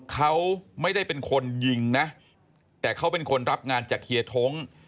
เขาไม่ได้เป็นคนยิงนะแต่เขาเป็นคนรับงานจากเฮียท้ง